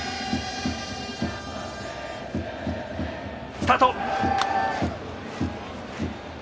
スタート。